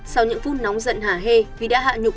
sau những phút nóng giận hà hê vì đã hạ nhục